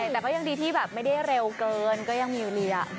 แต่ก็ยังดีที่แบบไม่ได้เร็วเกินก็ยังมีอยู่เรีย